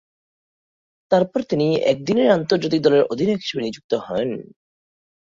তারপর তিনি একদিনের আন্তর্জাতিক দলের অধিনায়ক হিসেবে নিযুক্ত হন।